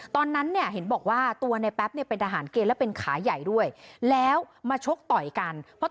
ตอนนั้นเห็นบอกว่าตัวไนแป๊ปเป็นอาหารเกรนและเป็นขาใหญ่ด้วยแล้วมาชกต่อยกัน